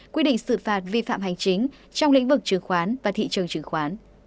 quy định xử phạt vi phạm hành chính trong lĩnh vực trường khoán và thị trường trường khoán